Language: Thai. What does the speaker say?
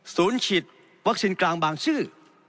ศูนย์ฉีดวัคซินกลางบางซื้อ